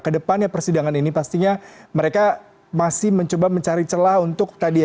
kedepannya persidangan ini pastinya mereka masih mencoba mencari celah untuk tadi ya